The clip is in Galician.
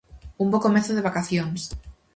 Un bo comezo de vacacións!